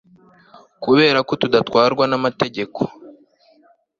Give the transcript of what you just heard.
kubera ko tudatwarwa n amategeko